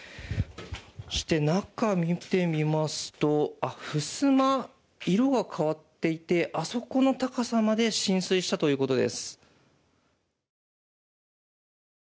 そして中を見てみますとふすま、色が変わっていてあそこの高さまで浸水したということです。